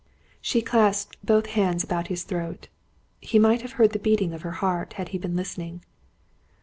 She clasped both hands about his throat. He might have heard the beating of her heart had he been listening.